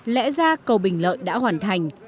lẽ ra cầu bình lợi đã hoàn thành